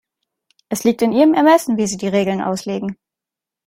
Es liegt in Ihrem Ermessen, wie Sie die Regeln auslegen.